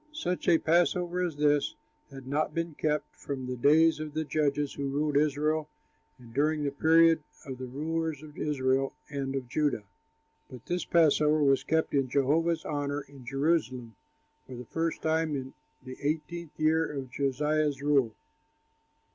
Such a passover as this had not been kept from the days of the judges who ruled Israel and during the period of the rulers of Israel and of Judah; but this passover was kept in Jehovah's honor in Jerusalem for the first time in the eighteenth year of Josiah's rule.